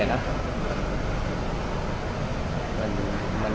อยากบอกอะไรกับเพียรตร์ฝันฟ่างนะครับ